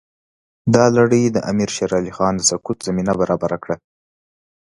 دا لړۍ د امیر شېر علي خان د سقوط زمینه برابره کړه.